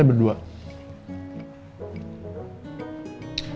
eh kamu suka keju loh